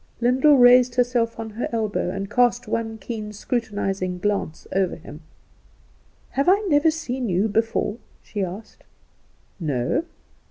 Lyndall raised herself on her elbow, and cast one keen scrutinizing glance over him. "Have I never seen you before?" she asked. "No."